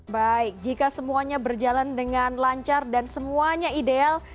baik jika semuanya berjalan dengan lancar dan semuanya ideal